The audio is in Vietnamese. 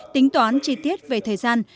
tính toán chi tiết về thời gian